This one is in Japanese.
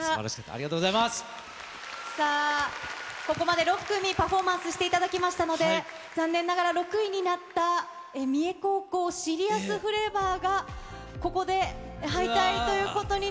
ありがとうさあ、ここまで６組、パフォーマンスしていただきましたので、残念ながら、６位になった三重高校ＳＥＲＩＯＵＳＦＬＡＶＯＲがここで敗退ということに。